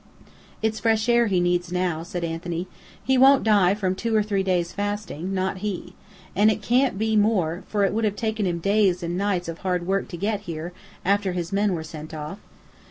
"It's fresh air he needs now," said Anthony. "He won't die from two or three days' fasting, not he! And it can't be more, for it would have taken him days and nights of hard work to get here, after his men were sent off.